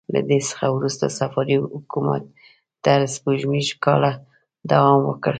له دې څخه وروسته صفاري حکومت تر سپوږمیز کاله دوام وکړ.